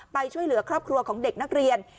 ไปช่วยเหลือครอบครัวของเด็กนักเรียน